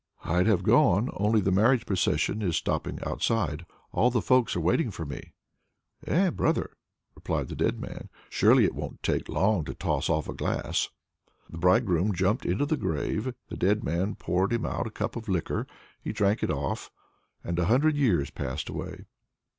"I'd have gone, only the marriage procession is stopping outside; all the folks are waiting for me." "Eh, brother!" replied the dead man, "surely it won't take long to toss off a glass!" The bridegroom jumped into the grave. The dead man poured him out a cup of liquor. He drank it off and a hundred years passed away.